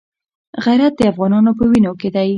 غیرت د افغانانو په وینو کې دی.